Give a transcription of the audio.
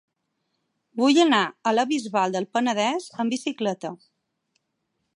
Vull anar a la Bisbal del Penedès amb bicicleta.